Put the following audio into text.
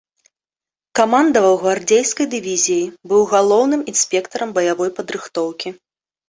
Камандаваў гвардзейскай дывізіяй, быў галоўным інспектарам баявой падрыхтоўкі.